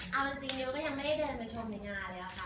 เอาจริงดิวก็ยังไม่ได้เดินไปชมในงานเลยค่ะ